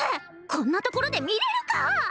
こんなところで見れるか！